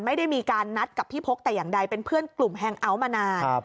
ไม่ได้มีการนัดกับพี่พกแต่อย่างใดเป็นเพื่อนกลุ่มแฮงเอาท์มานาน